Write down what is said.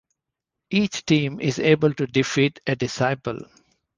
Each team is able to defeat a disciple.